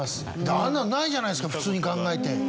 あんなのないじゃないですか普通に考えて。